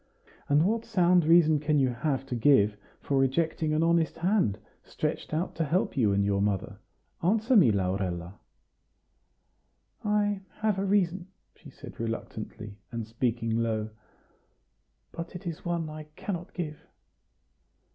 And what sound reason can you have to give for rejecting an honest hand, stretched out to help you and your mother? Answer me, Laurella." "I have a reason," she said reluctantly, and speaking low; "but it is one I cannot give."